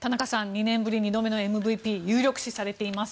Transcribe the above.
２年ぶり２度目のＭＶＰ有力視されています。